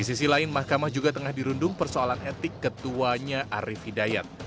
di sisi lain mahkamah juga tengah dirundung persoalan etik ketuanya arief hidayat